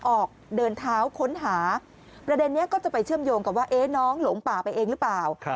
ออกเดินเท้าค้นหาประเด็นนี้ก็จะไปเชื่อมโยงกับว่าน้องหลงป่าไปเองหรือเปล่า